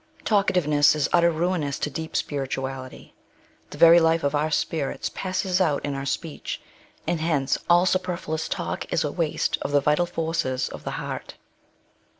TALKATIVENESS is utterly rui nous to deep spir ituality. The very life of our spirits passes out in our speech, and hence all superfluous talk is a waste of the vital forces of the heart.